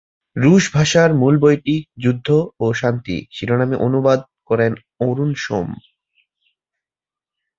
রুশ ভাষার মূল বইটি "যুদ্ধ ও শান্তি" শিরোনামে অনুবাদ করেন অরুণ সোম।